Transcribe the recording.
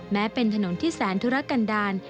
แม้เป็นถนนที่แสนธุรกันดาล